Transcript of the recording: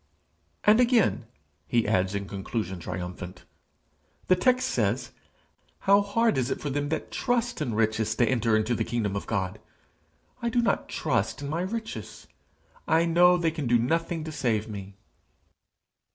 'And again,' he adds, in conclusion triumphant, 'the text says, "How hard is it for them that trust in riches to enter into the kingdom of God!" I do not trust in my riches. I know that they can do nothing to save me!'